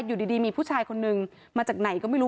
อยู่ดีมีผู้ชายคนนึงมาจากไหนก็ไม่รู้